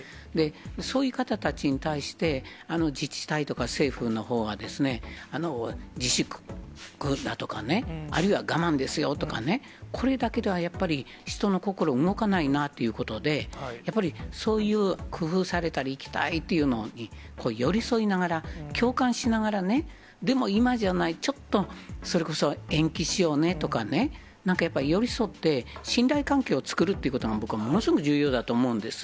そういう方たちに対して、自治体とか政府のほうが、自粛だとかね、あるいは我慢ですよとかね、これだけではやっぱり人の心、動かないなということでね、やっぱり、そういう工夫されたり、行きたいっていうのに、寄り添いながら、共感しながらね、でも、今じゃない、ちょっと、それこそ延期しようねとかね、なんかやっぱり寄り添って、信頼関係を作るということが僕、ものすごく重要だと思うんです。